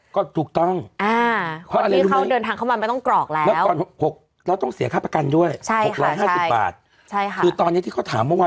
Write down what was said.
ก็ถูกต้องเพราะอะไรรู้ไหมแล้วก่อน๖เราต้องเสียค่าประกันด้วย๖๕๐บาทคือตอนนี้ที่เขาถามเมื่อวาน